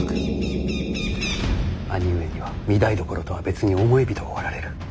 兄上には御台所とは別に思い人がおられる。